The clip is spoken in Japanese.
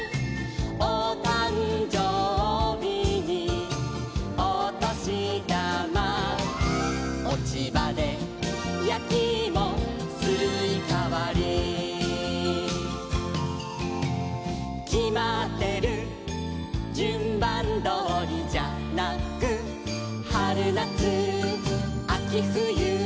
「おたんじょうびにおとしだま」「おちばでやきいもすいかわり」「きまってるじゅんばんどおりじゃなく」「はるなつあきふゆ」